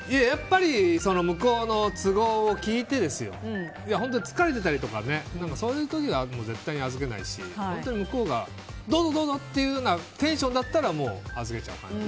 向こうの都合を聞いて疲れてたりとかそういう時は絶対に預けないし本当に向こうがどうぞどうぞっていうテンションだったら預けちゃう感じ。